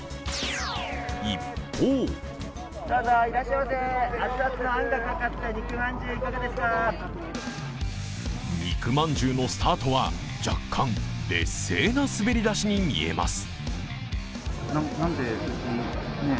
一方肉饅頭のスタートは若干劣勢な滑り出しに見えます。